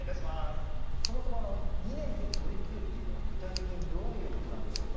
そもそも２年でとりきるっていうのは具体的にどういうことなんでしょうか？